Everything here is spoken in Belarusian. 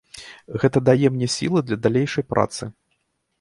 Гэта дае мне сілы для далейшай працы.